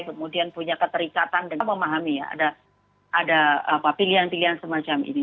kemudian punya keterikatan dan memahami ya ada pilihan pilihan semacam ini